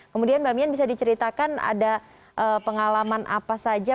kemudian mbak mian bisa diceritakan ada pengalaman apa saja